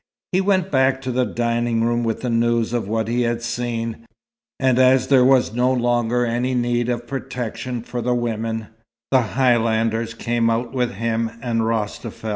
He went back to the dining room with the news of what he had seen. And as there was no longer any need of protection for the women, the Highlanders came out with him and Rostafel.